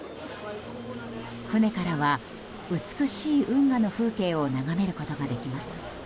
船からは美しい運河の風景を眺めることができます。